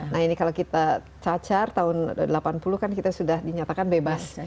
nah ini kalau kita cacar tahun delapan puluh kan kita sudah dinyatakan bebas